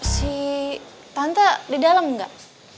si tante di dalam enggak